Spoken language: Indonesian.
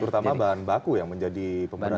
terutama bahan baku yang menjadi pemberan juga